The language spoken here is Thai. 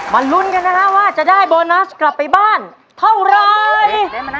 มาลุ้นด้วยนะว่าจะได้โบนัสกลับไปบ้านเท่าไร